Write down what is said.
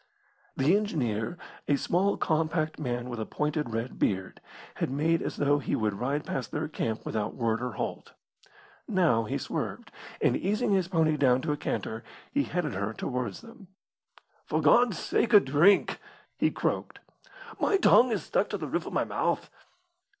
The engineer, a small, compact man with a pointed red beard, had made as though he would ride past their camp without word or halt. Now he swerved, and easing his pony down to a canter, he headed her to wards them. "For God's sake, a drink!" he croaked. "My tongue is stuck to the roof of my mouth."